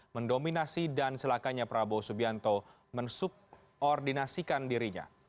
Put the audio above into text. mendominasi dan silakannya prabowo subianto mensubordinasikan dirinya